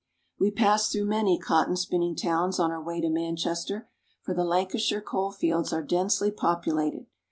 We pass through many cotton spinning towns on our way to Manchester, for the Lancashire coal fields are densely populated.